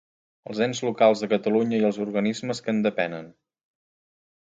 Els ens locals de Catalunya i els organismes que en depenen.